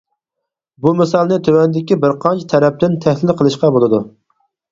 بۇ مىسالنى تۆۋەندىكى بىرقانچە تەرەپتىن تەھلىل قىلىشقا بولىدۇ.